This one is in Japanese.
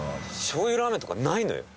しょうゆラーメンとかないのよ。